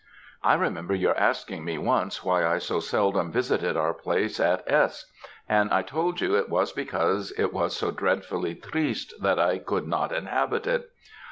"I remember your asking me once, why I so seldom visited our place in S , and I told you it was because it was so dreadfully triste that I could not inhabit it.